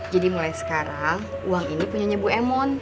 jadi mulai sekarang uang ini punya bu emon